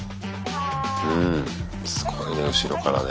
すごいね後ろからね。